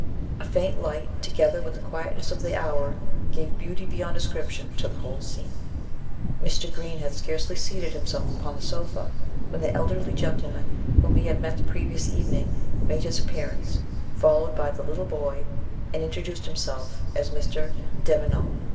A faint light, together with the quietness of the hour, gave beauty beyond description to the whole scene. Mr. Green had scarcely seated himself upon the sofa, when the elderly gentleman whom he had met the previous evening made his appearance, followed by the little boy, and introduced himself as Mr. Devenant.